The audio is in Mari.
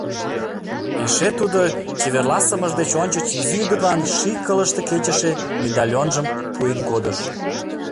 Эше тудо чеверласымыж деч ончыч изи ӱдырлан ший кылыште кечыше медальонжым пуэн кодыш.